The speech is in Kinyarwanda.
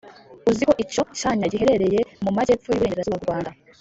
uzi ko icyo cyanya giherereye mu magepfo y’uburengerazuba bw’u Rwanda